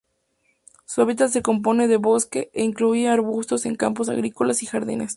Su hábitat se compone de bosque, e incluye arbustos en campos agrícolas y jardines.